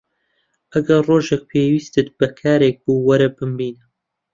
ئەگەر ڕۆژێک پێویستت بە کارێک بوو، وەرە بمبینە.